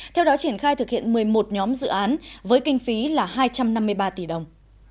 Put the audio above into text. theo đó triển khai thực hiện một mươi một nhóm dự án với kinh phí là hai trăm năm mươi ba tỷ đồng